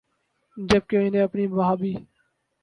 جب کہ انہیں اپنی بھابھی